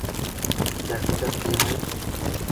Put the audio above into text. দেখা যাক কী হয়।